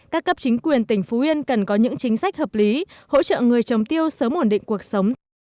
các cấp chính quyền tỉnh phú yên cần có những chính sách hợp lý hỗ trợ người trồng tiêu sớm ổn định cuộc sống